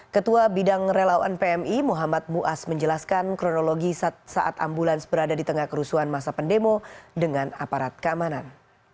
ketua bidang relawan pmi muhammad ⁇ muas ⁇ menjelaskan kronologi saat ambulans berada di tengah kerusuhan masa pendemo dengan aparat keamanan